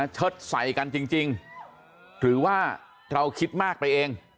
เชิดใส่กันจริงหรือว่าเราคิดมากไปเอง